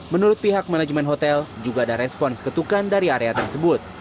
menurut pihak manajemen hotel juga ada respons ketukan dari area tersebut